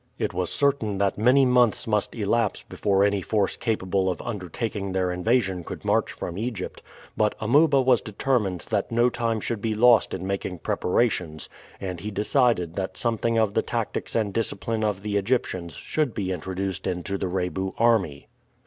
It was certain that many months must elapse before any force capable of undertaking their invasion could march from Egypt; but Amuba was determined that no time should be lost in making preparations, and he decided that something of the tactics and discipline of the Egyptians should be introduced into the Rebu army.